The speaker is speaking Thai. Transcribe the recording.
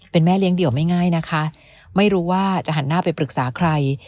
เป็นแม่เลี้ยงเดี่ยวไม่ง่ายนะคะไม่รู้ว่าจะหันหน้าไปปรึกษาใคร